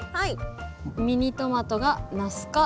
ミニトマトがナス科。